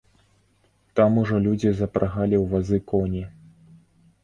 Там ужо людзі запрагалі ў вазы коні.